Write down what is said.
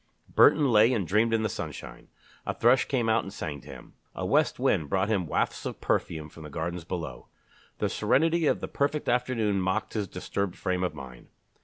Burton lay and dreamed in the sunshine. A thrush came out and sang to him. A west wind brought him wafts of perfume from the gardens below. The serenity of the perfect afternoon mocked his disturbed frame of mind.